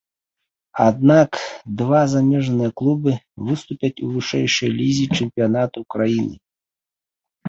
Аднак два замежныя клубы выступяць у вышэйшай лізе чэмпіянату краіны.